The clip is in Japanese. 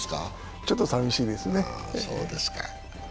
ちょっと寂しいですね。